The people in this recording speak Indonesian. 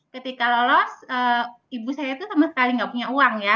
ketika lolos ibu saya itu sama sekali nggak punya uang ya